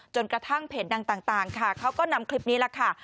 จนกระทั่งเพลงนางต่างค่ะเขาก็นำคลิปนี้ล่ะค่ะ